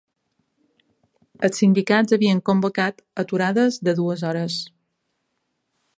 Els sindicats havien convocat aturades de dues hores